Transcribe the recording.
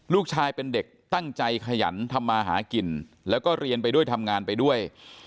ลูกชายเป็นเด็กตั้งใจขยันทำมาหากินแล้วก็เรียนไปด้วยทำงานไปด้วย